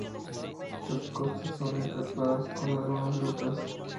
Sus costas son escarpadas, con algunas grutas.